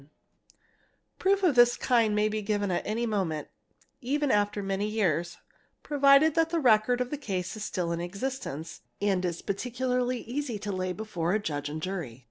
xi). Proof of this kind may be given at any moment—even after me years, provided that the record of the case is still in existence ; and PHOTOGRAPHY—PARTICULAR CASES 259 | particularly easy to lay before a Judge and jury.